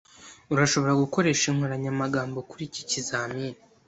Urashobora gukoresha inkoranyamagambo kuri iki kizamini.